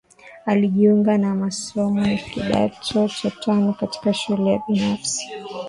alijiunga na masomo ya kidato cha tano katika shule ya binafsi